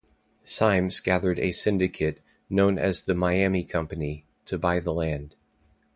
Symmes gathered a syndicate, known as the Miami Company, to buy the land.